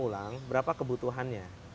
ulang berapa kebutuhannya